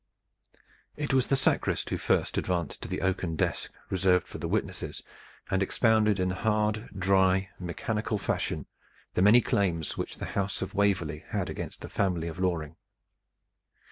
It was the sacrist who first advanced to the oaken desk reserved for the witnesses and expounded in hard, dry, mechanical fashion the many claims which the House, of Waverley had against the family of Loring.